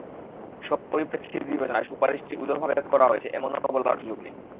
সব পরিপ্রেক্ষিত বিবেচনায় সুপারিশটি উদারভাবে করা হয়েছে, এমনও বলার সুযোগ নেই।